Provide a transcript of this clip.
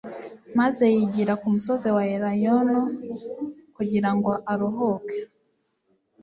maze yigira ku musozi wa Elayono kugira ngo aruhuke.